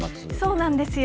そうなんですよ。